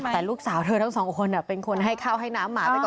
แต่ลูกสาวเธอทั้งสองคนเป็นคนให้ข้าวให้น้ำหมาไปก่อน